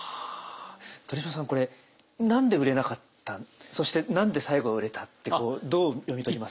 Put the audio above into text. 鳥嶋さんこれ何で売れなかったそして何で最後は売れたってこうどう読み解きます？